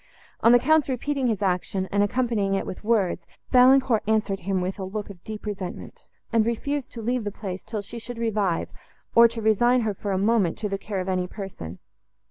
On the Count's repeating his action, and accompanying it with words, Valancourt answered him with a look of deep resentment, and refused to leave the place, till she should revive, or to resign her for a moment to the care of any person.